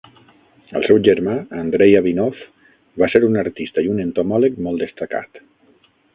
El seu germà, Andrey Avinoff, va ser un artista i un entomòleg molt destacat.